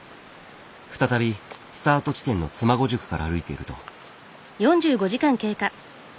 再びスタート地点の妻籠宿から歩いていると。